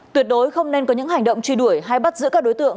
tuyệt đối không nên có những hành động truy đuổi hay bắt giữ các đối tượng